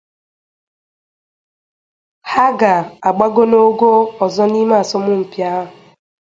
ha ga-agbago n’ogo ọzọ n’ime asọmpi a.